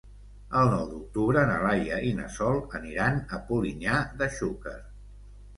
El nou d'octubre na Laia i na Sol aniran a Polinyà de Xúquer.